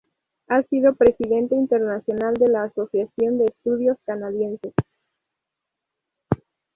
Ha sido Presidente Internacional de la Asociación de Estudios Canadienses.